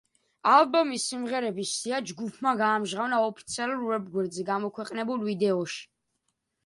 ალბომის სიმღერების სია ჯგუფმა გაამჟღავნა ოფიციალურ ვებგვერდზე გამოქვეყნებულ ვიდეოში.